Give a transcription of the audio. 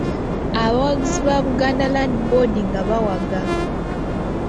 Abawagizi ba Buganda Land Board nga bawaga.